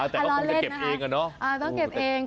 แต่ก็คงจะเก็บเองอ่ะเนอะ